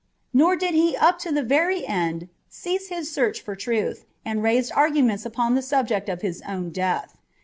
Nor did he up to the very end cease his search after truth, and raised arguments upon the subject of his own death.